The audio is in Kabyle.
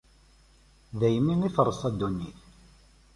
Daymi i treṣṣa ddunit.